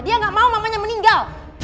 dia gak mau mamahnya meninggal